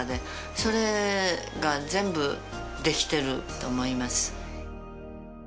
それが全部できてると思います。